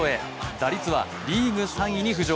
打率はリーグ３位に浮上。